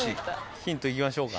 ヒント言いましょうか。